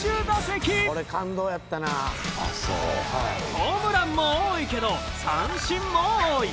ホームランも多いけど三振も多い。